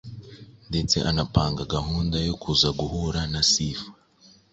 ndetse anapanga gahunda yo kuza guhura na Sifa